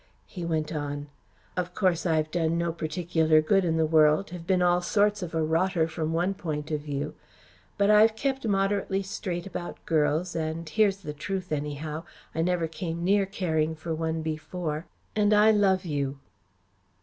He went on. "Of course, I've done no particular good in the world have been all sorts of a rotter from one point of view but I've kept moderately straight about girls and here's the truth, anyhow. I never came near caring for one before, and I love you."